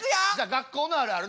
学校のあるある。